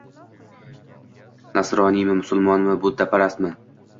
Nasroniymi, musulmonmi, budparastmi